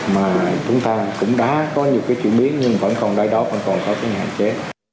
mà chúng ta cũng đã có nhiều cái chuyển biến nhưng vẫn còn đai đó vẫn còn có cái hạn chế